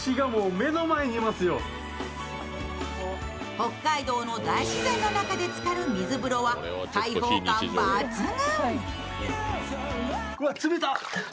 北海道の大自然の中でつかる水風呂は開放感抜群。